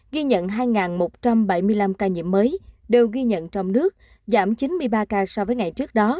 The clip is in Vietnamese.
ghi nhận hai một trăm bảy mươi năm ca nhiễm mới đều ghi nhận trong nước giảm chín mươi ba ca so với ngày trước đó